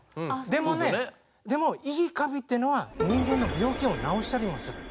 でもねでもいいカビっていうのは人間の病気を治したりもするの。